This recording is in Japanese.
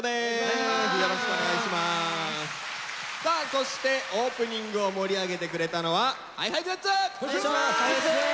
そしてオープニングを盛り上げてくれたのはＨｉＨｉＪｅｔｓ！ＨｉＨｉＪｅｔｓです。